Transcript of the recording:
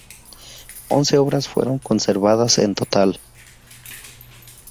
Once obras fueron conservadas en total.